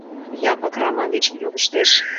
— Якып Раман деч йодыштеш.